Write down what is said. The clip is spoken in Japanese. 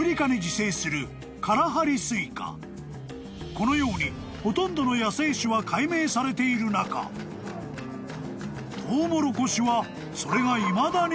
［このようにほとんどの野生種は解明されている中とうもろこしはそれが］